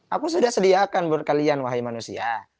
aku sudah sediakan buat kalian wahai manusia